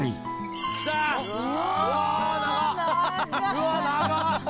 ・うわ長っ！